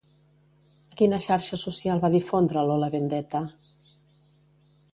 A quina xarxa social va difondre Lola Vendetta?